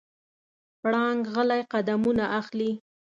پړانګ غلی قدمونه اخلي.